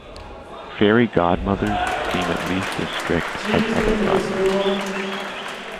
Fairy godmothers seem at least as strict as other godmothers.